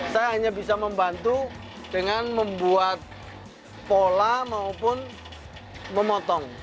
saya hanya bisa membantu dengan membuat pola maupun memotong